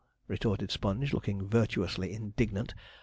"' retorted Sponge, looking virtuously indignant.